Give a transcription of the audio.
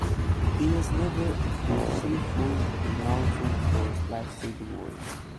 He was never to receive full acknowledgement for this life-saving work.